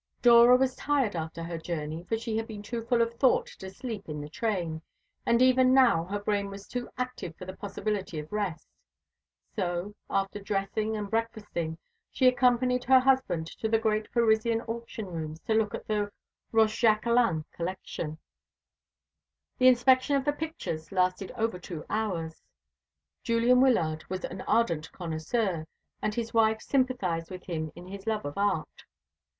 Dora was tired after her journey, for she had been too full of thought to sleep in the train, and even now her brain was too active for the possibility of rest. So, after dressing and breakfasting, she accompanied her husband to the great Parisian auction rooms to look at the Rochejaquelin collection. The inspection of the pictures lasted over two hours. Julian Wyllard was an ardent connoisseur, and his wife sympathised with him in his love of art.